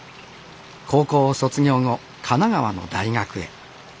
高校を卒業後神奈川の大学へ。